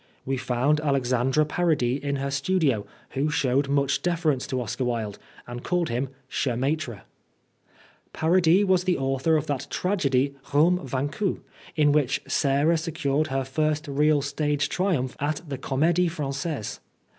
We found Alexandre Parodi in her studio, who showed much deference to Oscar Wilde, and called him "cher maltre." Parodi was the author of that tragedy Rome Vaincue, in which Sarah secured her first real stage triumph at the Com6die Frangaise.